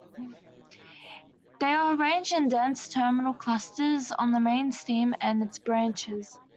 They are arranged in dense, terminal clusters on the main stem and its branches.